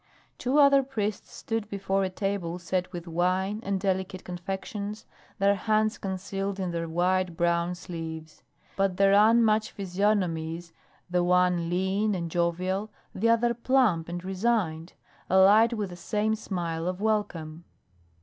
Two other priests stood before a table set with wine and delicate confections, their hands concealed in their wide brown sleeves, but their unmatched physiognomies the one lean and jovial, the other plump and resigned alight with the same smile of welcome.